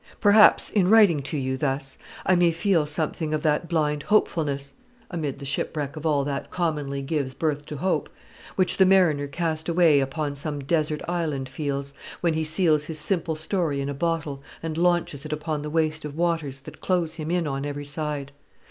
"Perhaps, in writing to you thus, I may feel something of that blind hopefulness amid the shipwreck of all that commonly gives birth to hope which the mariner cast away upon some desert island feels, when he seals his simple story in a bottle, and launches it upon the waste of waters that close him in on every side.